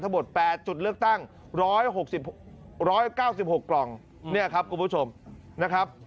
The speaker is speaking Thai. หมด๘จุดเลือกตั้ง๑๖๑๙๖กล่องเนี่ยครับคุณผู้ชมนะครับ